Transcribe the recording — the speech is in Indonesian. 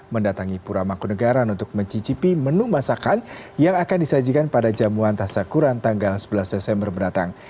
mendatangi pura mangkunegaran untuk mencicipi menu masakan yang akan disajikan pada jamuan tasakuran tanggal sebelas desember mendatang